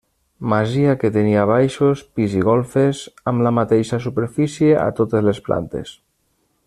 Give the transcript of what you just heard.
Masia que tenia baixos, pis i golfes amb la mateixa superfície a totes les plantes.